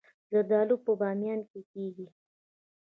زردالو په بامیان کې کیږي